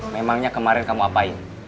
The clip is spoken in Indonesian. memangnya kemarin kamu apain